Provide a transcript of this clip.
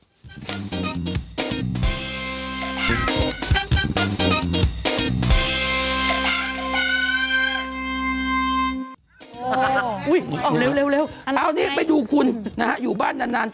โอ๊ยออกเร็วอ่าวนี่ไปดูคุณนะฮะอยู่บ้านนาน